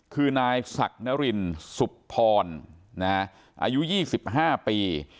คือนายศักดิ์นรินสุบพรนะฮะอายุยี่สิบห้าปี